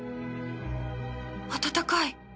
温かい